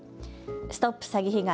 ＳＴＯＰ詐欺被害！